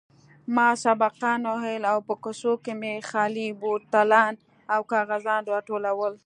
ما سبقان ويل او په کوڅو کښې مې خالي بوتلان او کاغذان راټولول.